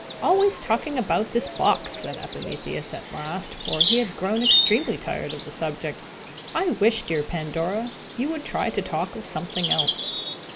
"Always talking about this box!" said Epimetheus, at last; for he had grown extremely tired of the subject. "I wish, dear Pandora, you would try to talk of something else.